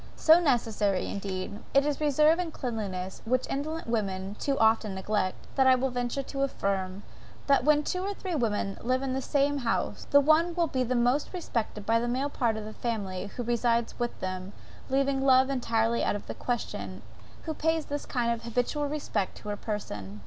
So necessary indeed, is that reserve and cleanliness which indolent women too often neglect, that I will venture to affirm, that when two or three women live in the same house, the one will be most respected by the male part of the family, who reside with them, leaving love entirely out of the question, who pays this kind of habitual respect to her person.